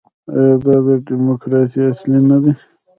آیا دا د ډیموکراسۍ اصل نه دی؟